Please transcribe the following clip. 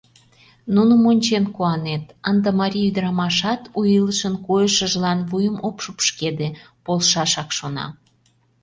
Нуным ончен куанет: ынде марий ӱдырамашат у илышын койышыжлан вуйым ок шупшкеде, полшашак шона.